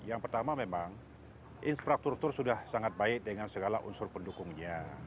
yang pertama memang infrastruktur sudah sangat baik dengan segala unsur pendukungnya